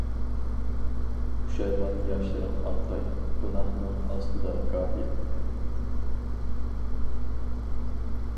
پۇشايمان ياشلىرىڭ ئاققاي، گۇناھنىڭ ئاستىدا گاھى.